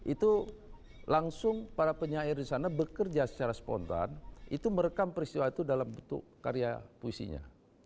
itu langsung para penyair di sana bekerja secara spontan itu merekam peristiwa itu dalam bentuk karya puisinya